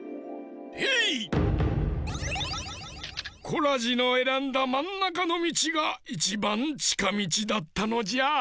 コラジのえらんだまんなかのみちがいちばんちかみちだったのじゃ。